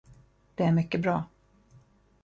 Det är mycket bra.